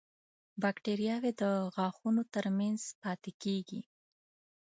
باکتریاوې د غاښونو تر منځ پاتې کېږي.